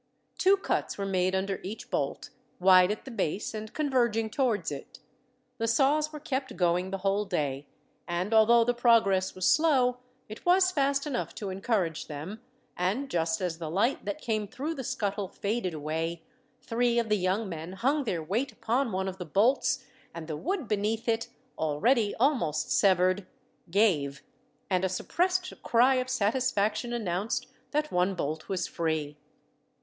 Two cuts were made under each bolt, wide at the base and converging towards it. The saws were kept going the whole day, and although the progress was slow, it was fast enough to encourage them; and just as the light, that came through the scuttle, faded away; three of the young men hung their weight upon one of the bolts, and the wood beneath it, already almost severed, gave; and a suppressed cry of satisfaction announced that one bolt was free.